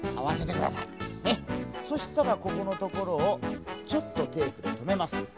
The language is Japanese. そしたらここのところをちょっとテープでとめます。